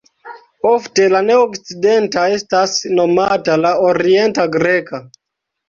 Ofte la ne-okcidenta estas nomata la Orienta Greka.